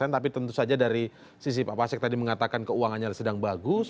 tapi tentu saja dari sisi pak pasek tadi mengatakan keuangannya sedang bagus